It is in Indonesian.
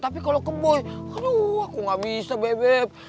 tapi kalau ke boy aduh aku gak bisa bebep